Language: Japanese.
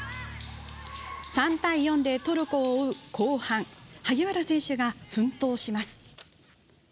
３対４でトルコを追う後半萩原選手が奮闘します。